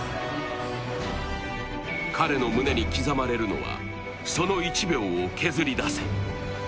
彼の胸に刻まれるのは、「その１秒を削り出せ」。